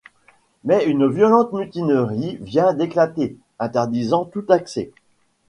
Mais une violente mutinerie vient d'éclater, interdisant tout accès.